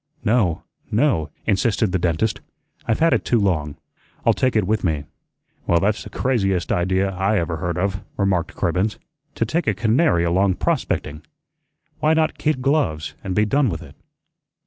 "No, no," insisted the dentist. "I've had it too long. I'll take it with me." "Well, that's the craziest idea I ever heard of," remarked Cribbens, "to take a canary along prospecting. Why not kid gloves, and be done with it?"